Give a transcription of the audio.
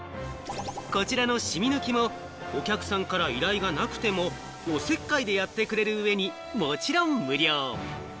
こちらのシミ抜きもお客さんから依頼がなくても、おせっかいでやってくれる上に、もちろん無料。